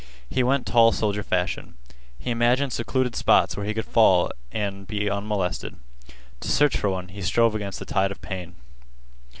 He went tall soldier fashion. He imagined secluded spots where he could fall and be unmolested. To search for one he strove against the tide of pain.